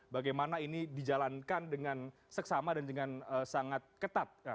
bagaimana ini dijalankan dengan seksama dan dengan sangat ketat